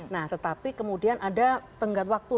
nah tetapi kemudian ada tenggat waktu